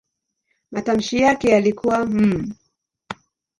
Matamshi yake yalikuwa "m".